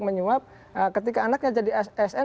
menyuap ketika anaknya jadi asn